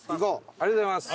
ありがとうございます。